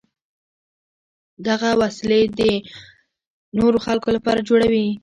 دغه وسلې د نورو خلکو لپاره جوړوي.